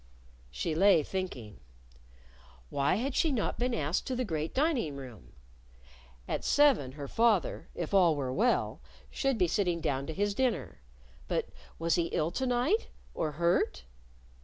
She lay thinking. Why had she not been asked to the great dining room? At seven her father if all were well should be sitting down to his dinner. But was he ill to night? or hurt?